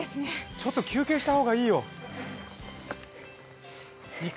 ちょっと休憩した方がいいよ、行く？